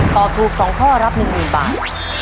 ตอบถูก๒ข้อรับ๑๐๐๐บาท